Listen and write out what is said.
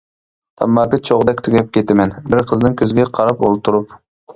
تاماكا چوغىدەك تۈگەپ كېتىمەن، بىر قىزنىڭ كۆزىگە قاراپ ئولتۇرۇپ.